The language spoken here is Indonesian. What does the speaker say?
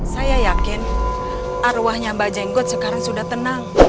saya yakin arwahnya mbak jenggot sekarang sudah tenang